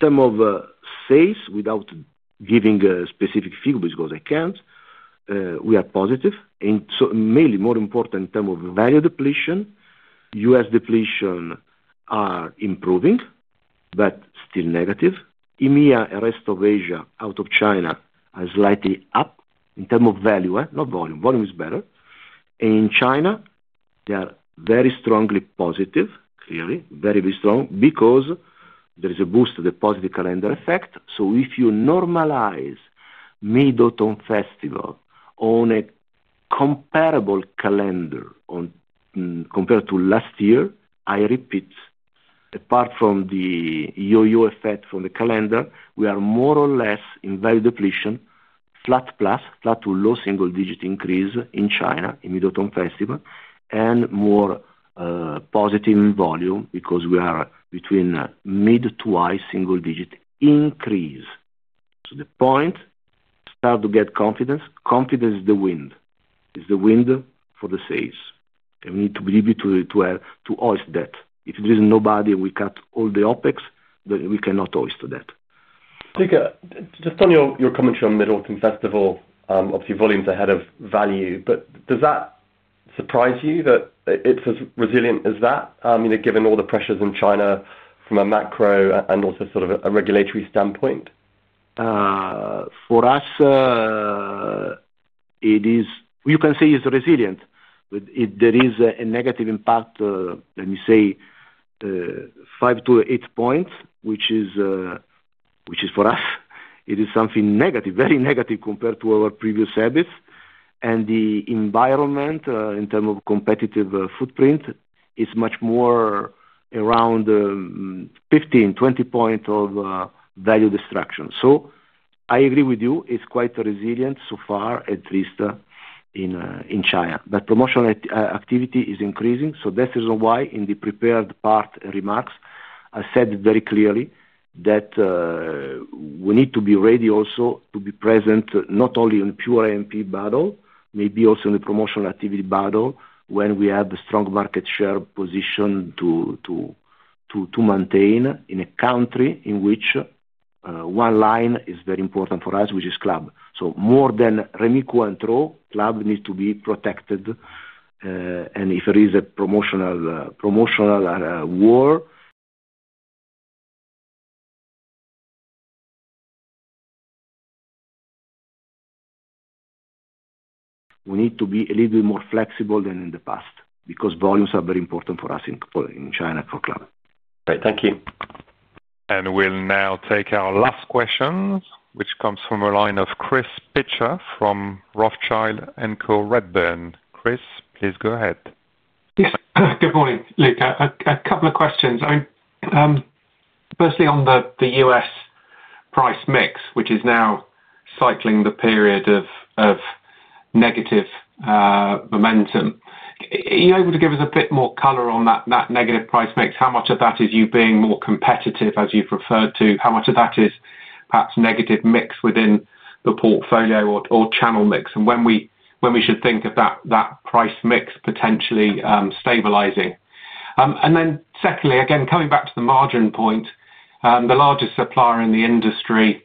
terms of sales without giving a specific figure because I can't. We are positive, and mainly more important in terms of value depletion U.S. depletion are improving, but still negative. EMEA and rest of Asia out of China are slightly up in terms of value, not volume. Volume is better. In China they are very strongly positive, clearly very, very strong because there is a boost to the positive calendar effect. If you normalize Mid-Autumn Festival on a comparable calendar compared to last year I repeat, apart from the YoY effect from the calendar, we are more or less in value depletion, flat plus flat to low single digit increase in China in Mid-Autumn Festival and more positive volume because we are between mid to high single-digit increase. The point is to start to get confidence. Confidence is the wind. Is the wind for the sales and we need to believe it if there is nobody, we cut all the OpEx, then we cannot hoist that. Just on your commentary on Mid-Autumn Festival, obviously volumes ahead of value, but does that surprise you that it's as resilient as that given all the pressures in China from a macro and also sort of a regulatory standpoint? For us. You can say it's resilient, yet there is a negative impact. Let me say five to eight points, which is, which is for us, it is something negative, very negative compared to our previous EBITs, and the environment in terms of competitive footprint is much more around 15-20 points of value destruction. I agree with you, it's quite resilient so far, at least in China. Promotional activity is increasing. That is the reason why in the prepared remarks I said very clearly that we need to be ready also to be present not only in pure AMP battle, maybe also in the promotional activity battle when we have a strong market share position to maintain in a country in which one line is very important for us, which is Club. More than Rémy Cointreau, Club needs to be protected. If there is a promotional war, we need to be a little bit more flexible than in the past because volumes are very important for us in China for cloud. Great, thank you. We will now take our last question, which comes from the line of Chris Pitcher from Rothschild & Co Redburn. Chris, please go ahead. Yes, good morning, Luca. A couple of questions. Firstly, on the U.S. price mix which is now cycling the period of negative momentum, are you able to give us a bit more color on that negative price mix? How much of that is you being more competitive as you've referred to, how much of that is perhaps negative mix within the portfolio or channel mix? When we should think of that price mix potentially stabilizing. Secondly, again coming back to the margin point, the largest supplier in the industry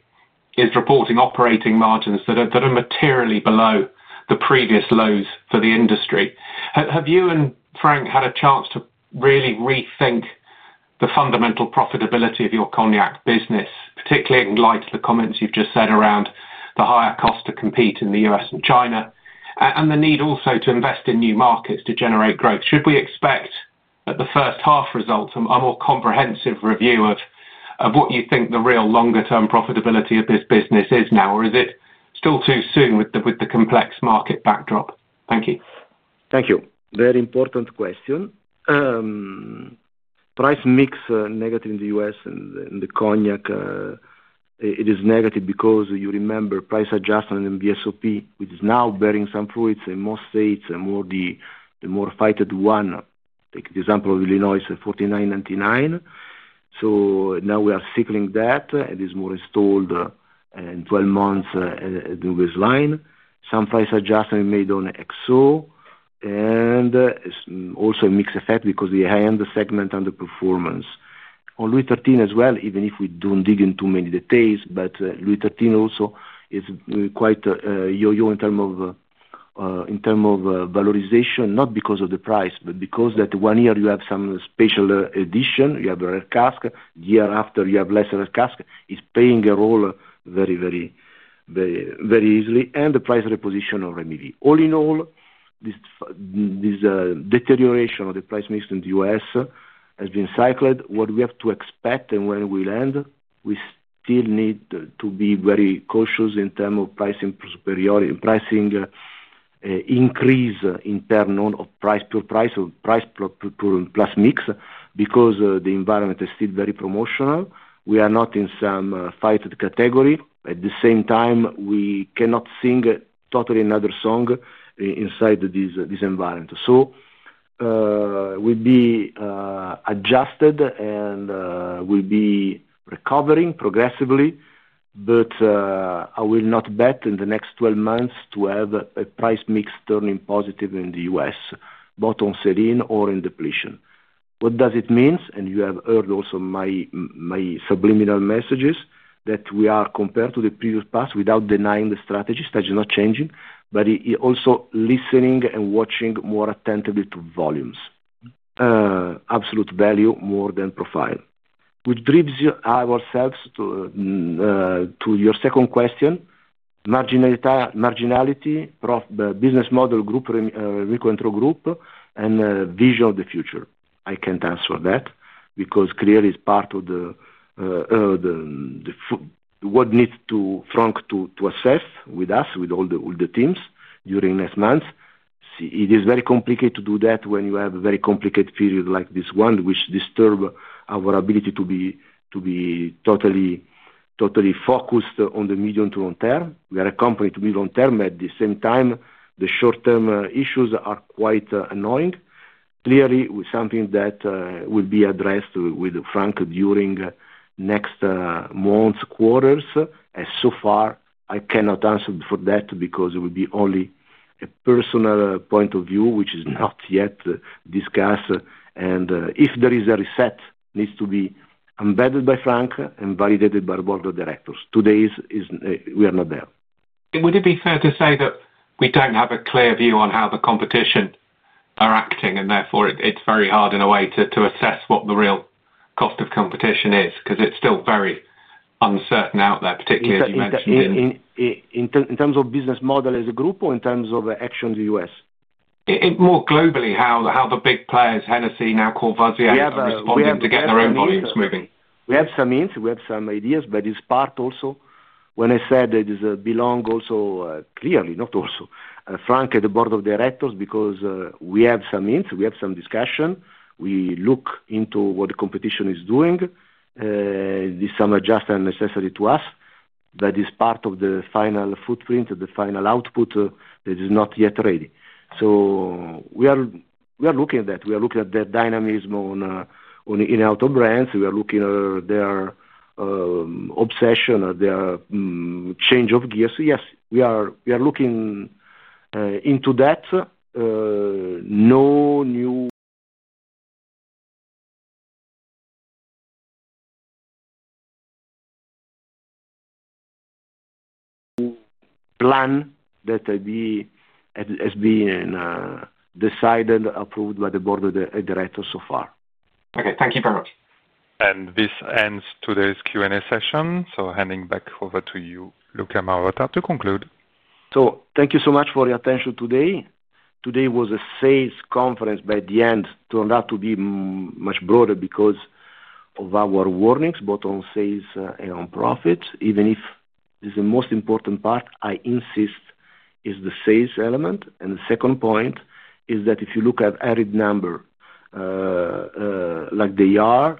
is reporting operating margins that are materially below the previous lows for the industry. Have you and Franck had a chance to really rethink the fundamental profitability of your cognac business? Particularly in light of the comments you've just said around the higher cost to compete in the U.S. And China and the need also to invest in new markets to generate growth? Should we expect at the first half results a more comprehensive review of what you think the real longer term profitability of this business is now, or is it still too soon with the complex market backdrop? Thank you. Thank you. Very important question. Price mix negative in the U.S. and the Cognac, it is negative because you remember price adjustment in VSOP, which is now bearing some fruits in most states the more fighted one, take the example of Illinois, $49.99. We are cycling that it is more installed in 12 months. Some price adjustments made on XO and also a mixed effect because the high end the segment underperformance. On LOUIS XIII as well. Even if we don't dig into many details, LOUIS XIII also is quite yo-yo in terms of valorization, not because of the price, because that one year you have some special edition, you have a red cask year after you have less red cask is playing a role very, very, very, very easily, and the price reposition of Rémy. All in all, this deterioration of the price mix in the U.S. has been cycled what we have to expect, and when we land, we still need to be very cautious in terms of pricing superiority, pricing increase in turn on of price per price or price plus mix, because the environment is still very promotional. We are not in some fight category. At the same time, we cannot sing totally another song inside this environment, so will be adjusted and will be recovering progressively. I will not bet in the next 12 months to have a price mix turning positive in the U.S., both on sell-in or in depletion. What does it mean? You have heard also my subliminal messages that we are compared to the previous past without denying the strategy. Strategy not changing, but also listening and watching more attentively to volumes, absolute value more than profile. Which brings us to your second question: Marginality, business model, group, and vision of the future. I can't answer that because clearly it's part of the urban what needs to Franck to assess with us with all the teams during next month. It is very complicated to do that when you have a very complicated period like this one, which disturbs our ability to be totally focused on the medium to long term. We are a company to be long term. At the same time, the short term issues are quite annoying. Clearly something that will be addressed with Franck, during next month quarters, as so far I cannot answer for that because it will be only a personal point of view, which is not yet discussed, and if there is a reset, it needs to be embedded by Franck and validated by the board of directors. Today, we are not there. Would it be fair to say that we don't have a clear view on how the competition are acting, and therefore it's very hard in a way to assess what the real cost of competition is? Because it's still very uncertain out there. Particularly as you mentioned. In terms of business model as a group or in terms of action in the U.S.? More globally. How the big players Hennessy, now Courvoisier, responding to get their own volumes moving. We have some hints, we have some ideas. It's part also when I said it belongs also clearly, not also frankly, the board of directors because we have some hints, we have some discussion. We look into what the competition is doing. Is some adjustments necessary to us? That is part of the final footprint, the final output that is not yet ready. We are looking at that. We are looking at the dynamism in our brands. We are looking at their obsession, their change of gears. Yes, we are looking into that. No new plan has been decided or approved by the board of directors so far. Okay, thank you very much. This ends today's Q and A session. Handing back over to you, Luca Marotta, to conclude. Thank you so much for your attention today. Today was a sales conference by the end, turned out to be much broader because of our warnings both on sales and on profit. Even if this is the most important part, I insist, is the sales element. The second point is that if you look at added number like they are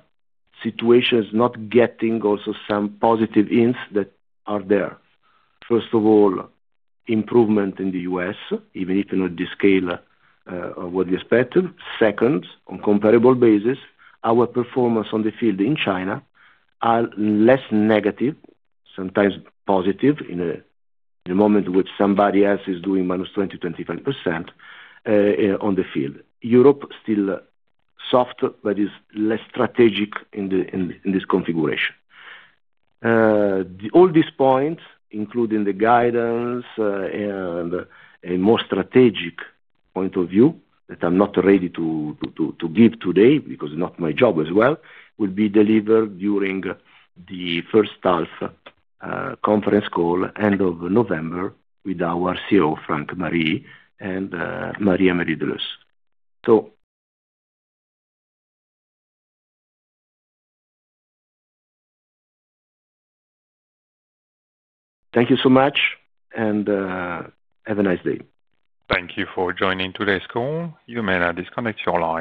situations not getting also some positive hints that are there? First of all, improvement in the U.S. Even if not the scale of what we expected, second, on a comparable basis our performance on the field in China is less negative. Sometimes positive in a moment, which somebody else is doing -20%, -25% on the field. Europe is still softer, but is less strategic in this configuration. All these points, including the guidance and a more strategic point of view that I'm not ready to give today because it's not my job as well, will be delivered during the first half conference call end of November with our CEO, Franck Marilly, and Marie-Amélie de Leusse. Thank you so much and have a nice day. Thank you for joining today's call. You may now disconnect your lines.